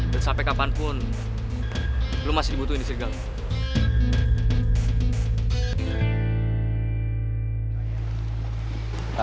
dan sampai kapanpun lo masih dibutuhin di serigala